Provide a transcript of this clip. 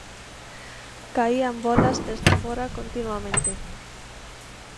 Caían bólas desde fóra continuamente.